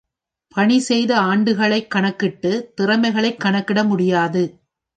பணி செய்த ஆண்டுகளைக் கணக்கிட்டுத் திறமைகளைக் கணக்கிட முடியாது.